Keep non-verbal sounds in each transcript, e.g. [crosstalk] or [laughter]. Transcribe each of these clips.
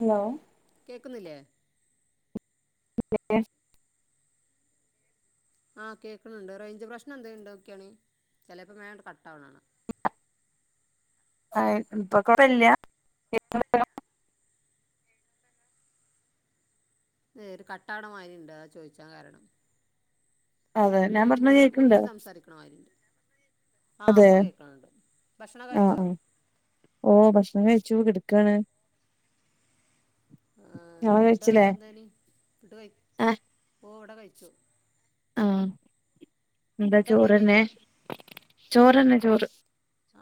Hello കേക്കുന്നില്ലേ? പി ന്നേ ആഹ് കേൾക്കണണ്ട് റേഞ്ച് പ്രശ്നം എന്തേ ഉണ്ട് നോക്ക്ക്കെയാണി ചെലപ്പം വേങ്ട്ട കട്ട ആവണാണം ആഹ് ഇപ്പൊം കൊഴല്ല്യ [unintelligible] ഇതേ കട്ടവേണ മാതിരിയിണ്ട് അത് ചോദിച്ചാൻ കാരണം അതെ ഒരേ ഞാൻ പറഞ്ഞ മുന്ന് കേൾക്ക്ണ്ടോ മുണങ്ങി സംസാരിക്കും. ആഹ് ഉണ്ട് ആഹ് അതെ ഇപ്പ കേൾക്കണണ്ട് ഭക്ഷണം കഴിച്ചോ? ഓഹ് ഭക്ഷണം കഴിച്ചു കിടുക്കാണ്- ആഹ് ഇങ്ങള് കഴിച്ചില്ലേ ഫുഡൊക്കെന്തേനി ഫുഡ് കഴി ആഹ് ഓ ഇവിടെ കഴിച്ചു. ആഹ് എന്താ ഫുഡ് എന്തേനി ചോറ്ന്നെ കഴിക്കുക ചോറ്ന്നെ ചോറ്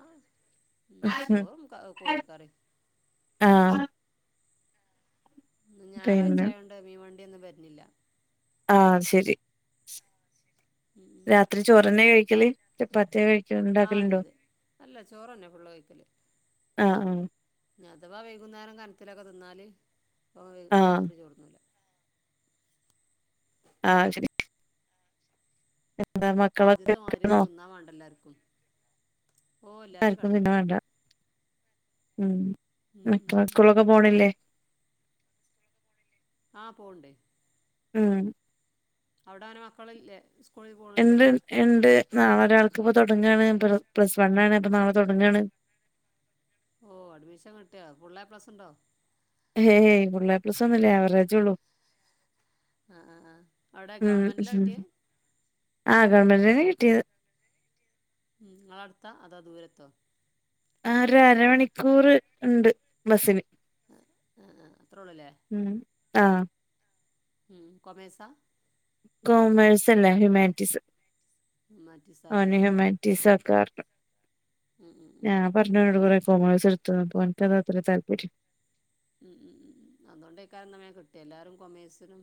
ആഹ് ഉം ചോറും കോ കോയി കറിയും. ആഹ് ന്ന് ഞായറാഴ്ച പിന്നെ ആയോണ്ട് മീൻ വണ്ടി ഒന്നും വരണില്ല. ആഹ് ശരി. ഉം ഉം. ത്രീ ചോറ്ന്നെ കഴിക്കല് ചപ്പാത്തിയാ കഴിക്ക ആഹ് അതെ ഇണ്ടാക്കലുണ്ടോ അതെ അല്ല ചോറന്നെ ഫുൾ കഴിക്കല്- ആഹ് ന്നേ അഥവാ വൈകുന്നേരം കനത്തിലൊക്കെ തിന്നാല് ഇപ്പം ആഹ് ആഹ് രാത്രി ചോർന്നൂല- ആഹ് ശരി എന്താന്ന? പ്പ ആദ്യത്തെമാരീ തിന്നാ വേണ്ടല്ലർക്കും. അർക്കും തിന്നാൻ വേണ്ട ഉം, ഉം, ഉംമക്കളക്കെ ഉം. സ്കൂളൊക്കെ പോണില്ലേ? ആഹ് പോവ്ണ്ട്. ഉം അവിടാന മക്കളില്ലേ സ് എണ്ട് എണ്ട് നാളെ ഒരാൾക്ക് ഇപ്പോ തുടങ്ങയാണ് പ്ലസ് വണ്ണാണ് അപ്പൊ നാളെ തൊടങ്ങാണ്. ഓഹ് അഡ്മിഷൻ കിട്ടിയോ ഫുള്ള് എ പ്ലസ് ഉണ്ടോ? ഏഹ് ഫുള്ള് എ പ്ലസ് ഒന്നുല്ല അവറേജ് ഉള്ളു. ആഹ് ആഹ് ആഹ് അവ്ടെ ഉം ഗവൺമെന്റ്ലാ ഉം കിട്ട്യേ ആഹ് ഗവൺമെൻ്റിലെന്നെ കിട്ട്യേത് ഉം ഇങ്ങളട്ത്താ അതാ ദൂരത്തോ ആഹ് ഒര് അരമണിക്കൂറ് ഇണ്ട് ബസ്സ്ന് ആഹ് ആഹ് ആഹ് അത്രൊള്ളുലേ ഉം ആഹ് ഉം കൊമേഴ്‌സാ കാെമേഴ്സല്ല ഹ്യുമാൻറ്റീസ് ഹുമാനറ്റിസ് അവന്ന് ഹ്യുമാൻറ്റീസാക്കാർഞ്ഞു ഞാൻ പർഞ്ഞവനോട് കാെറേ കൊമാേഴ്‌സെട്ത്താേന്ന് അപ്പ ഓൻക്കതാത്രെ താല്പര്യം ഉം ഉം ഉം ഉം അതോണ്ടെയ്ക്കാരം ന്നാ വേം കിട്ട്യേ എല്ലാരും കൊമേഴ്സ്നും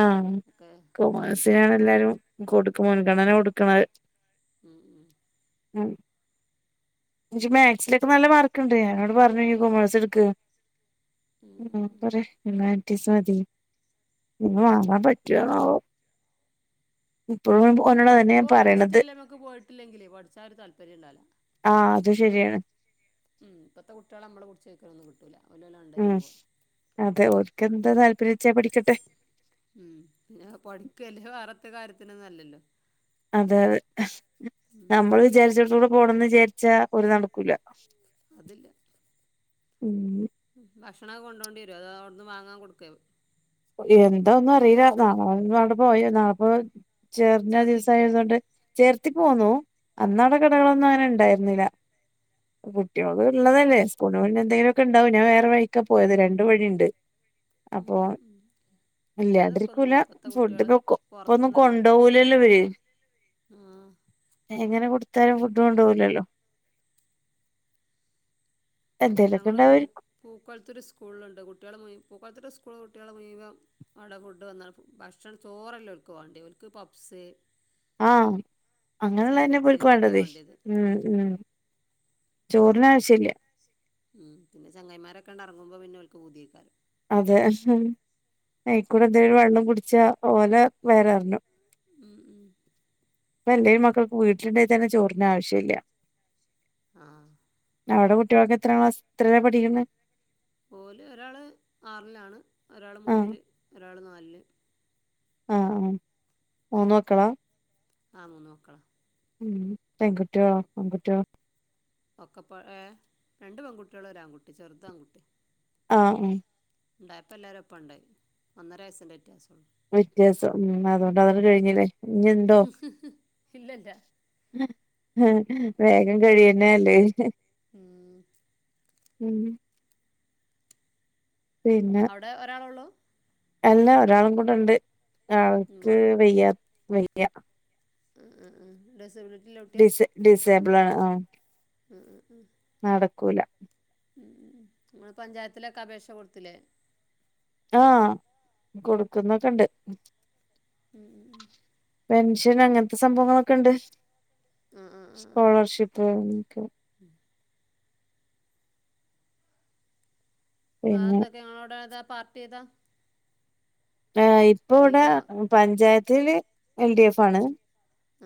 ആഹ് ചേരുന്നത് കൊമേഴ്സിനാണ് എല്ലാരും കൊട്ക്ക് മുൻഗണന കൊട്ക്ക്ണത് ഉം ഉം [unintelligible] പക്ഷെ മാക്സിലൊക്കെ നല്ല മാർക്ക്ണ്ട് ഞാനോട് പർഞ്ഞു ഇയ്യ് കൊമേഴ്സ്ട്ക്ക് ഉം ഓൻ ഉം ഉം പറെ ഹ്യുമാൻറ്റീസതീ പിന്നെ മാറാം പറ്റാേന്നാവോ ഇപ്പഴും ഒനാേടതെന്നെ ഞാൻ പറീണത് ക്ക് പോയിട്ടില്ലെങ്കിലെ പഠിച്ചാ ഒര് താല്പര്യണ്ടാവ്‌ല ആഹ് അത് ശെരിയാണ് ഉം ഇപ്പത്തെ കുട്ട്യേളെ നമ്മള് പുടിച്ചേക്ക്നൊന്നും കിട്ടൂല്ല ഉം അതെ ഓൽക്കെന്താ താൽപ്പര്യച്ചാ അത് പഠിക്കട്ടെ ഉം പിന്നെ പഠിക്കല്ലേ വേറെത്തേ കാര്യത്തിനൊന്നും അല്ലല്ലോ അതെ അതെ ഉം ഞമ്മള് വിചാരിച്ചിടെത്തൂടെ പോണംന്ന് വിചാര്ച്ചാ ഓല് നടക്കൂലാ ഉം ഭക്ഷണൊക്കെ കൊണ്ടോണ്ട്യെരോ അതോ അവ്ട്ന്ന് വാങ്ങാൻ കൊട്ക്കെ എന്താ ഒന്നും അറീലാ നാളെ [unintelligible] അവ്ടെ പോയ നാളെപ്പോ ചേർണ ചേർത്തിട്ടില്ലേ ദിവ്സായതോണ്ട് ചേർത്തി പോന്നു അന്നാടെ ഉം കടകളൊന്നും ഉം അങ്ങെനെ ഇണ്ടായി ര്ന്നില്ല കുട്ട്യോള് ള്ളതല്ലേ സ്കൂള് എന്തെങ്കിലൊക്കെ ണ്ടാവും ഞാൻ വേറെ വയ് ക്കാ പോയെത് അത് രണ്ട് ഉം വഴിണ്ട് അപ്പോ ഉം ഉം ഇല്ലാതൊക്കെ ഇല്ല്യാണ്ടിരിക്കൂല ഒന്നുമില്ല ഇപ്പോഴത്തെ ഫുഡ് കുട്ടികൾ ഇപ്പൊ ഇപ്പൊന്നും പുറത്തുനിന്നല്ലേ കൊണ്ടോകൂലല്ലോ ഓര് ആ എ എങ്ങെനെ കൊട്ത്താലും ഫുഡ്ഡ് കൊണ്ടോവ്‌ലല്ലോ എന്തേലൊക്കെ ഞങ്ങൾ പൂ ഉണ്ടാവുമായിരിക്കും പൂക്കാെൾത്തൂര് സ്കൂള്ല്ണ്ട് കുട്ട്യേള് മുയ് പൂക്കാെൾത്തൂര് സ്കൂള് കുട്ട്യേള് മുയ്‌വം അവ് ടെ ഫുഡ്ഡ് വന്ന ഭക്ഷണം ചോറല്ല ഓൽക്ക് വാണ്ട്യേ ഓൽക്ക് പപ്സ് ആഹ് അങ്ങനെള്ളെന്നെ സാൻഡ്വിച്ച് പ്പോൽക്ക് ഇതൊക്കെ വേണ്ടെതേ വേണ്ടത് ഉം ഉം ചോറിന് ആവശ്യല്ല്യാ ഉം പിന്നെ ചെങ്ങായ്മാരൊക്കേണ്ടെർങ്ങുമ്പം പിന്നെ ഓൽക്ക് പൂത്യേക്കാരം അതെ അയ്ക്കൂടെ എന്തേലും വെള്ളും കുട്ച്ചാ ഓലെ വയെറെറ്ഞ്ഞു ഉം ഉം ഇപ്പ എല്ലേലും മക്കക്ക് വീട്ടില്ണ്ടേ തെന്നെ ചോറിന്നാവശ്യല്ല്യാ ആഹ് അവ്ടെ കുട്ട്യോളൊക്കെ എത്രാം ക്ലാസ് ത്രേലാ പഠിക്ക്ന്നേ ഓല് ഒരാള് ആർലാണ് ഒരാള് ആഹ് മൂന്ന്ല് ഒരാള് നാൽല് ആഹ് ആഹ് മൂന്ന് മക്കളാ ആഹ് മൂന്ന് മക്കളാ ഉം പെങ്കുട്ട്യോ ആങ്കുട്ട്യോ ഒക്കെ പ്പെ ഏഹ് രണ്ട് പെങ്കുട്ട്യേള് ഒരാങ്കുട്ടി ചെർത് ആങ്കുട്ട്യാ ആഹ് ഉം ണ്ടായപ്പം എല്ലാരും ഒപ്പാണ്ട്ണ്ടായി ഒന്നെര വയെസ്സിൻ്റെ വിത്യാസാെള്ളൂ വ്യത്യാ സം ഉം അതോണ്ട് അതണ്ട് കഴിഞ്ഞിലെ ഇഞിണ്ടൊ? ഇല്ലല്ല വേഗം കഴിയെന്നല്ലെ ഉം ഉം പിന്നെ അവടെ ഒരാളൊള്ളു അല്ല ഒരാളും കുടണ്ട് മോ ആൾക്ക് വെയ്യ വെയ്യ ഉം ഉം ഉം ടിസബിലിറ്റി ഡിസെ ഡിസേബ്ളാണ് ആഹ് ഉം ഉം ഉം നടക്കൂല ഉം ഉം ഉം ഇങ്ങ്ട് പഞ്ചായത്തിലൊക്കെ അപേക്ഷ കൊട്ത്തിലെ ആഹ് കൊടുക്കൊന്നക്ക ഇണ്ട് ഉം ഉം ഉം പെൻഷൻ അങ്ങൻത്ത സംഭവങ്ങളൊക്കണ്ട് ആഹ് ആഹ് ആഹ് സ്കോളർഷിപ്പ് അങ്ങക്കെ ഉം പിന്നെ വേറെന്തൊക്കെ ഇങ്ങളോടേതാ പാർട്ടീ ഏതാ ആഹ് ഇപ്പൊ ഇവട ലീഗോ പഞ്ചായത്തില് എൽ ഡി എഫ് ആണ്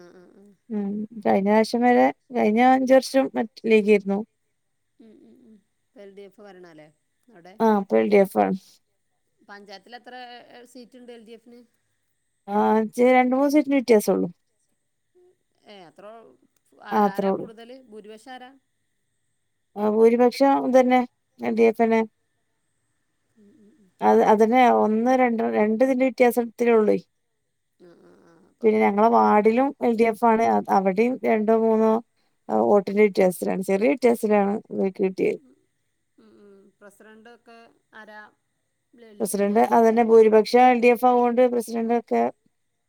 ആഹ് ആഹ് ആഹ് ഉം കഴിഞ്ഞ പ്രാശ്യം വരെ കഴിഞ്ഞ അഞ്ച് വർഷം എട്ട് ലീഗെര്ന്നു ഉം ഉം ഉം ഇപ്പ എൽ ഡി എഫ് ഭരണവല്ലെ അവടെ അപ്പ എൽഡിഫാണ് പഞ്ചായത്തിലെത്രാ സീറ്റ്ണ്ട് എൽ ഡി എഫിന് ആഹ് ചേ രണ്ട് മൂന്ന് സീറ്റ്ന് വ്യത്യാസൊള്ളു ഏഹ് അത്രോ ആഹ് അത്രേ ആരാ ഉള്ളൂ കൂടുതല് ഭൂരിഭക്ഷാരാ ആഹ് ഭൂരിപക്ഷം ഇതന്നെ എൽ ടി എഫെന്നെ ഉം ഉം ഉം അത് അതന്നെ ഒന്ന് രണ്ട് രണ്ട്തിന്റെ വ്യത്യാസത്തിലൊള്ളൊയ് ആ ആ ആ പിന്ന അപ്പോൾ ഞങ്ങളെ വാടിലും എൽ ഡി എഫാണ്. അവടെം രണ്ടോ മൂന്നോ വോട്ടിന്റെ വ്യത്യാസ്തിലാണ് ചെറീ വ്യത്യാസ് ലാണ് ഓൽക് കിട്ട്യെ ഉം ഉം പ്രസിരന്റൊക്ക ആരാ? ഇമ്ള എൽ എൽ ഡി എഫേകാരംലെ പഷെ ആഹ് എൽ ഡി എഫാവോണ്ട് പ്രസിരന്റൊക്കെ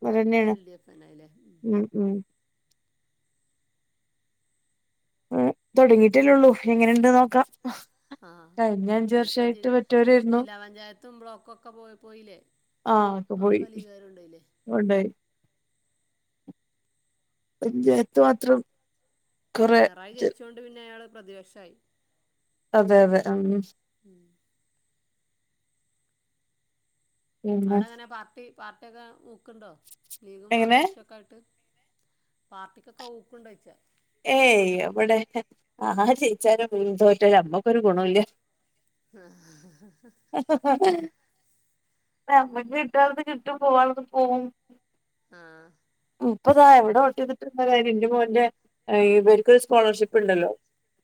ഇവലന്നേണ് എൽ ഡി എഫ് തന്നെയല്ലേ ഉം ഉം തൊടങ്ങിട്ടല്ലൊള്ളു എങ്ങനെണ്ട് നോക്കാ ആഹ് ഇന്നപ്പ ജ് മറ്റോരായിരുന്നു ജില്ലാ പഞ്ചായത്തും ബ്ലോക്കൊക്ക പോയ് പോയിലെ ആ ഒക്കെ പോയി ഒക്ക ലീഗാരൊണ്ടായിലെ കൊണ്ടോയി വല്യേത്ത് മാത്രം കൊറെ പിണറായി ജയിച്ചോണ്ട് പിന്ന അയാള് പ്രതിപക്ഷായി അതെ അതെ അം ഉം പിന്നെ അവടെ എങ്ങനെ പാർട്ടി പാർട്ടി ഒക്ക ഊക്ക്ണ്ടോ ലീഗും എങ്ങനെ മാർക്കിസ്റ്റൊക്ക ആയ്ട്ട് പാർട്ടികൊക്ക ഊക്ക്ണ്ടൊയ്ച്ച ഏയ് എവടെ ആര് ജയിച്ചാലും തോറ്റാലും ഞമ്മക്കൊരു ഗുണോല്ല [inaudible] ഞമ്മക്ക് കിട്ടാള്ളത് കിട്ടും പോവള്ളത് പോകും ആഹ് ഇപ്പതാ ഏവടെ വോട്ടീതിട്ടും എന്ത കാര്യം ഇന്റെ മോന്റെ ഏഹ് ഇവർക് സ് സ്കോളർഷിപ്പ് ഉണ്ടല്ലോ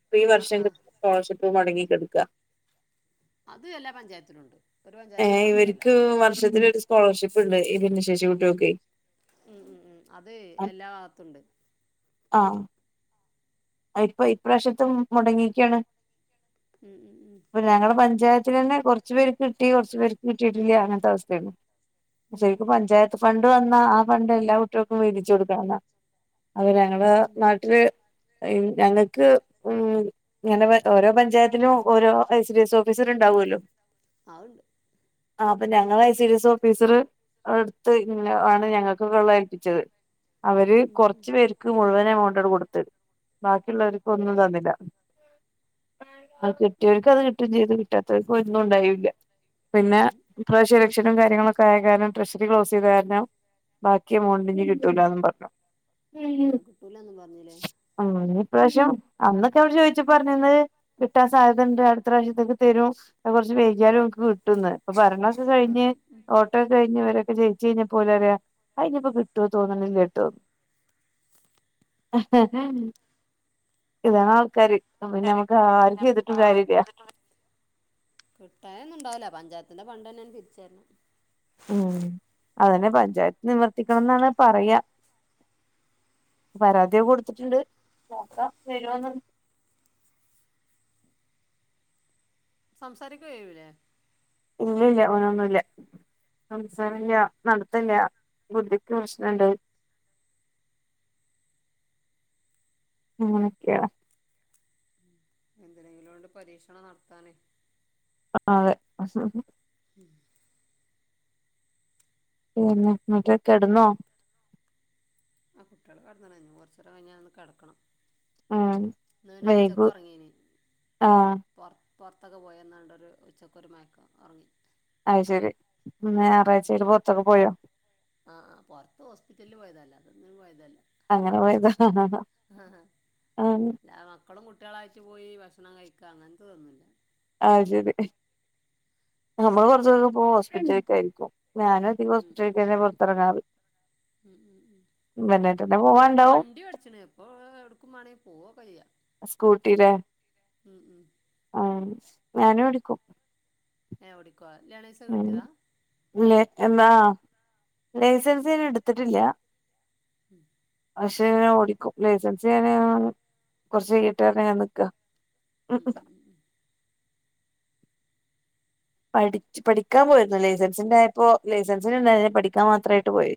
അപ്പം ഈ ആ വർഷം ആ കിട്ടണ്ട സ്കോളർഷിപ്പ് മുടങ്ങി കിടക്കുക അത് എല്ലാ പഞ്ചായത്തിലും ഉണ്ട് ഏഹ് ഇവർക്ക് വർഷത്തിലൊര് സ്കോളർഷിപ്പ് ഉണ്ട് ഈ ഭിന്നശേഷി കുട്ടികക്കേ ഉം ഉം ഉം അത് എല്ലാ ഭാഗത്തും ഉണ്ട് ആഹ് ഇപ്പൊ ഇപ്രാവശ്യത്തെ മുടങ്ങിയേക്കാണ് ഉം ഉം ഉം ഇപ്പൊ ഞങ്ങടെ പഞ്ചായത്തിന് തന്നെ കുറച്ച് പേർക്ക് കിട്ടി കുറച്ച് പേർക്ക് കിട്ടിയിട്ടില്ല അങ്ങനത്തെ അവസ്ഥയാണ്. ഉം ശെരിക്കും പഞ്ചായത്ത് ഫണ്ട് വന്നാ ആ ഫണ്ട് എല്ലാ കുട്ടികൾക്കും വീതിച്ചു കൊടുക്കണം എന്നാ അത് ഉം ഞങ്ങടെ ഉം ഉം നാട്ടില് ഞങ്ങൾക്ക് ഉം ഇങ്ങനെ ഓരോ പഞ്ചായത്തിനും ഓരോ ഐസി ഡി എസ് ഓഫീസർ ഉണ്ടാവുവല്ലോ അതുണ്ട് ആഹ് അപ്പൊ ഞങ്ങള് I C D S officer എടുത്ത് ഇങ്ങനെ ആണ് ഞങ്ങൾക്കുള്ളെ ഏൽപ്പിച്ചത് അവര് ഉം ഉം കൊറച്ച് പേർക്ക് മുഴുവൻ എമൗണ്ട് ആണ് കൊടുത്തത് ബാക്കിയുള്ളവർക്ക് ഒന്നും തന്നില്ല അത് കിട്ടിയവർക്ക് അത് കിട്ടും ചെയ്തു കിട്ടാത്തവർക്ക് ഒന്നും ഉണ്ടായില്ല പിന്നെ ഉം ഇപ്രാവശ്യം ഇലക്ഷനും കാര്യങ്ങളൊക്കെ ആയ കാരണം ട്രഷറി ക്ലോസ് ചെയ്ത കാരണം ബാക്കി എമൗണ്ട് ഇനി കിട്ടിയില്ല കിട്ടൂലാന്നും പറഞ്ഞു ഉം ഓലൊന്നും പറഞ്ഞില്ലേ ഉം ഇപ്രാവശ്യം അന്നൊക്കെ അവിടെ ചോദിച്ചപ്പം പറഞ്ഞത് കിട്ടാൻ സാധ്യത ഉണ്ട് അടുത്ത പ്രാവശ്യത്തേക്ക് തരും അത് കുറച്ച് വൈകിയാലും നിങ്ങക്ക് കി ട്ടുമെന്ന് ഇപ്പൊ ഭരണമൊക്കെ കഴിഞ്ഞ് വോ ട്ട് അതൊക്കെ കഴിഞ്ഞ് അവരൊക്കെ ജയിച്ച് കഴിഞ്ഞപ്പോല് പറയുവാ അതിനിപ്പോ കിട്ടുവെന്ന് തോന്നണില്ല കേട്ടോ തന്നെ ഇതാണ് ആൾക്കാര് പിന്നെ നമ്മുക്ക് ആർക്കും ചെയ്തിട്ടും കാര്യമില്ല കിട്ടാൻ ഒന്നും ഉണ്ടാവില്ല പഞ്ചായത്തിന്റെ ഫണ്ട്‌ തന്നെ പിരിച്ചായിരുന്നു ഉം അതന്നെ പഞ്ചായത്ത് നിവർത്തിക്കണം എന്നാണ് പറയാ പരാതിയൊക്കെ കൊടുത്തിട്ടുണ്ട് നോക്കാം വരുമോന്ന് സംസാരിക്കയൂല്ലേ ഇല്ലില്ല അങ്ങനൊന്നുമില്ല സംസാരില്ല്യ നടത്തില്ല്യ ബുദ്ധിക്ക് പ്രശ്നമുണ്ട് അങ്ങനൊക്കെയാണ് എന്തെങ്കിലോണ്ട് പരീക്ഷണം നടത്താനേ ആഹ് അത് ശെരി ഉം പിന്നെ എന്നട്ട് കിടന്നോ ആഹ് കുട്ടികള് കിടന്ന്ണ് ഇനി കുറച്ച് നേരം കഴിഞ്ഞാൽ ഒന്ന് കിടക്കണം ഉം ഇന്ന് പിന്നെ ഉച്ചക്ക് വൈകു ഉറങ്ങീന് ആഹ് പുറത്ത് പുറത്തൊക്കെ പോയെന്നാണ്ടൊരു ഉച്ചക്കൊരു മയക്കം ഉറങ്ങി അത് ശരി ഇന്ന് ഞായറാഴ്ചയായിട്ട് പുറത്തൊക്കെ പോയോ ആഹ് ആ പുറത്ത് ഹോസ്പിറ്റലില് പോയതാ അല്ലാതെ ഒന്നിനും പോയതല്ല അങ്ങനെ പോയതാ ആഹ ഹ ആഹ് മക്കളും കുട്ടികളായിട്ട് പോയി ഭക്ഷണം കഴിക്കുക അങ്ങനത്തെതൊന്നുമില്ല ആ ശരി നമ്മള് പുറത്തേക്ക് പോകുക ഹോസ്പിറ്റലക്ക ആയിരിക്കും ഞാന ഉം, ഹോസ്പിറ്റ തന്നെ പുറത്തറങ്ങാർ ഉം ഉം ഉ പിന്നെ അപ്പൊ പോവാണ്ടാവും വണ്ടി പടിച്ചണ് അപ്പോ എടക്കും വേണെങ്ക പോവാ ചെയ്യാ സ്കൂട്ടില ആ ഞാനും എടിക്കും ഓടിക്കോ ലനേഴ്സ് ല എന്നാ ലൈസൻസ് ന് എടുത്തിട്ടില്ല ഹം പക്ഷെ ഓടിക്കും ലൈസൻസ് ഞാൻ കുറച്ച് കയ്യിട്ടെ എന്ന് പറഞ്ഞു നിക്കുവ [unintelligible] പഠിച്ചു പഠിക്കാൻ പോയിരുന്നു ലൈസൻസിന്റൊയപ്പോ ലൈസൻസിനുന്ടാ പഠിക്കാൻ മാത്രമായിട്ട് പോയി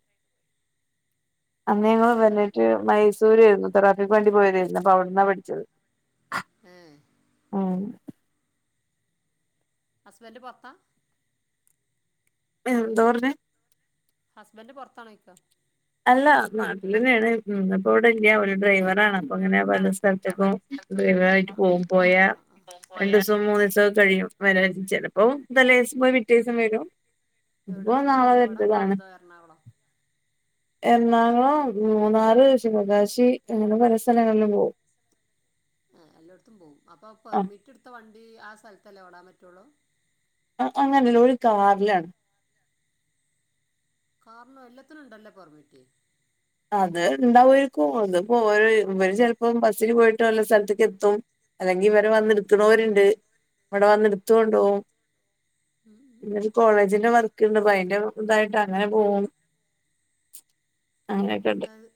അന്നു ഏ ഞങ്ങള് അങ്ങനെ വന്നിട്ട് മൈസ് ദൂരേയായിരുന്നു തെറാപ്പിക്ക് വേണ്ടി പോയതായിരുന്നു അപ്പോ അവിടന്നാ പഠിച്ചത് ഉം ഉം ഹസ്ബൻഡ് പൊറത്താ നീ എന്തുവാ പറഞ്ഞേ ഹസ്ബൻഡ് പൊറത്താണൊഴ്ക്കാ അല്ലാ നാട്ടിലന്നെയാണ് ഉം ഇന്നിപ്പോഇവിടെയില്ല ഒരു ഡ്രൈവറാണ് അങ്ങനെ പല സ്ഥലത്തേക്കും ഡ്രൈവറായിട്ടുപോകും പോയാ രണ്ടുസ് സോ മൂന്നുദിവസോകഴിയും വരാൻ ചെലപ്പോ തലേദിവസം പോയി പിറ്റേദിവസം വരും ഇതിപ്പോ നാളെ വരണ്ടതാണ് എറണാകുളം എറണാകുളം മൂന്നാറ് ശിവകാശി അങ്ങനെ പല സ്ഥലങ്ങളിലും പോകും ആ എല്ലായിടത്തും പോവും അപ്പൊ ആ പെർമിറ്റെടുത്ത വണ്ടി ആ സ്ഥലത്തല്ലേ ഓടാൻ പറ്റുവൊള്ളൂ ആ അങ്ങനല്ല ഒരുകാറിലാണ് കാറിനോ എല്ലാത്തിനുമുണ്ടല്ലേ പെർമിറ്റ് അത് ഉണ്ടാവുയാരിക്കും അതിപ്പോ ഓര് ഇവര് ചിലപ്പോ ബസ്സിനുപോയിട്ട് വല്ല സ്ഥലത്തേക്ക് എത്തും അല്ലെങ്കി ഇവരെ വന്നെടുക്കണവരുണ്ട് ഇവിടെ വന്നെടുത്തുകൊണ്ടോകും ഉം ഉം പിന്നൊരു ഉം. കോളേജിന്റെ വർക്കൊണ്ടപ്പോ അയ്ന്റെ ഇതായിട്ട് അങ്ങനെ പോകും അങ്ങനെയൊക്കെണ്ട്. അതായത്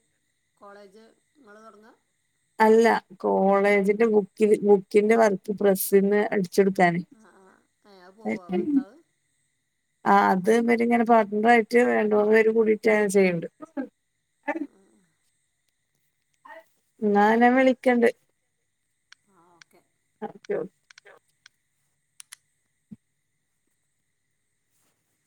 കോളേജ് നിങ്ങള് തൊടങ്ങാ അല്ല കോളേജിന്റെ ബുക്കി ബുക്കിന്റെ വർക്ക് പ്രസ്സീന്ന് അടി ച്ചെടുക്കാന് ആ ആ ആ ആ അയ് പോവുവോ ഭർത്താവ് ആ അത് മറ്റേയിങ്ങനെ പാർട്ണറായിട്ട് രണ്ടു മൂന്നുപേര് കൂടിട്ടാ ചെയ്യണ്ട് ആ ആ ആ ന്നാ ഞാൻ വിളിക്കണ്ട് ആ ഓക്കെ [unintelligible]